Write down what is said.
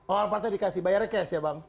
oh alphardnya dikasih bayarnya cash ya bang